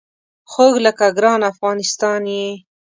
خوږ لکه ګران افغانستان یې